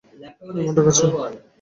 এখন টাকা চাই।